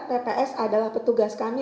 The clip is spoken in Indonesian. pps adalah petugas kami